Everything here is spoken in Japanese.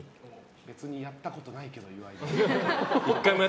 別にやったことないけど、岩井。